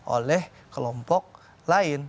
oleh kelompok lain